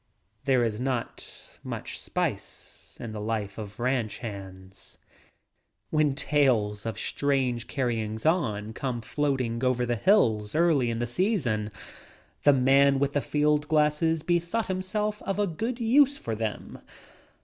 There is not much spice in the life of ranch hands. When tales of strange carryings on came floating over the hills early in the season, the man with the field glasses bethought himself of a good use for them.